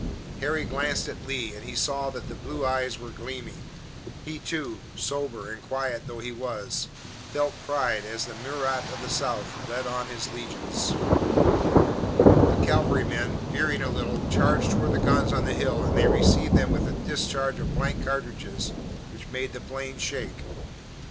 Harry glanced at Lee and he saw that the blue eyes were gleaming. He, too, sober and quiet though he was, felt pride as the Murat of the South led on his legions. The cavalrymen, veering a little, charged toward the guns on the hill, and they received them with a discharge of blank cartridges which made the plain shake.